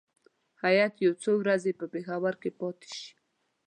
هیات یو څو ورځې په پېښور کې پاتې شي.